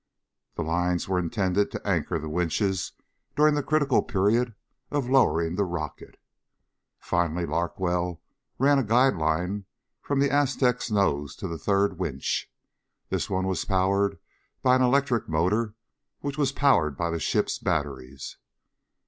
The lines were intended to anchor the winches during the critical period of lowering the rocket. Finally Larkwell ran a guide line from the Aztec's nose to a third winch. This one was powered by an electric motor which was powered by the ship's batteries.